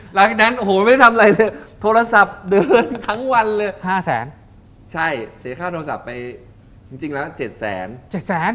หลังจากนั้นโหไม่ได้ทำอะไรเลย